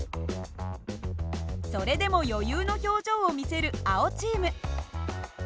それでも余裕の表情を見せる青チーム。